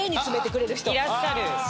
いらっしゃる。